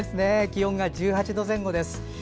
気温が１８度前後です。